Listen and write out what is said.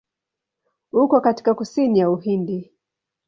Uko katika kusini ya Uhindi.